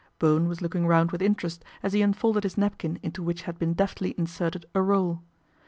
Bowen was looking round with interest as he unfolded his napkin into which had been deftly inserted a roll.